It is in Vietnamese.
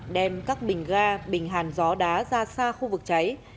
đem các bình ga bình hàn gió đá ra xa khu vực cháy